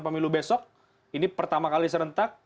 pemilu besok ini pertama kali serentak